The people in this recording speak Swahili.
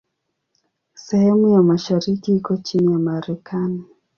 Sehemu ya mashariki iko chini ya Marekani.